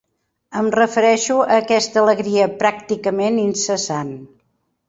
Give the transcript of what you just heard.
Em refereixo a aquesta alegria pràcticament incessant.